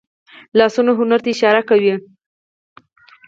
لاسونه هنر ته اشاره کوي